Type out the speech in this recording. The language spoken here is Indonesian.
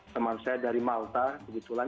teman saya dari malta kebetulan